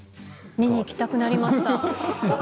見に行きたくなりました。